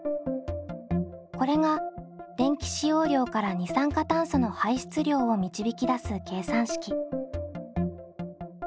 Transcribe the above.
これが電気使用量から二酸化炭素の排出量を導き出す計算式。